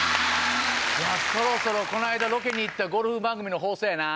そろそろこの間ロケに行ったゴルフ番組の放送やな。